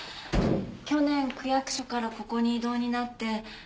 去年区役所からここに異動になって。